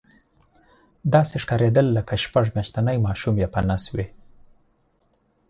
داسې ښکارېدل لکه شپږ میاشتنی ماشوم یې په نس وي.